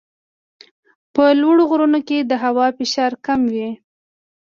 په لوړو غرونو کې د هوا فشار کم وي.